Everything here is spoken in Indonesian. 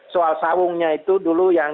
soal sawungnya itu dulu yang